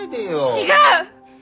違う！